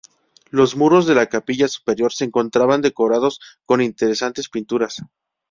Los muros de la capilla superior se encontraban decorados con interesantes pinturas.